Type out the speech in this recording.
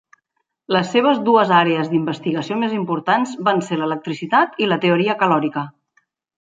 Les seves dues àrees d'investigació més importants van ser l'electricitat i la teoria calòrica.